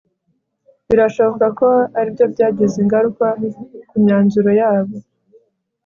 Birashoboka ko aribyo byagize ingaruka kumyanzuro yabo